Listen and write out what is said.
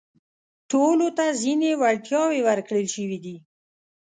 ټولو ته ځينې وړتياوې ورکړل شوي دي.